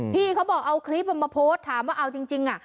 พี่เขาบอกเอาคลิปมาโพสต์ถามว่าเอาจริงอ่ะ